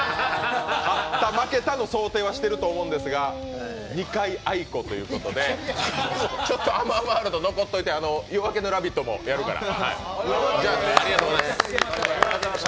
勝った負けたの想定はしていると思うんですが、２回あいこということであむあむＷＯＲＬＤ残っといて「夜明けのラヴィット！」もやるから。